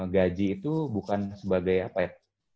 gaji itu bukan sebagai apa ya